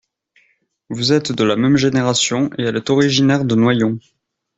Vous êtes de la même génération et elle est originaire de Noyon